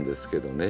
ね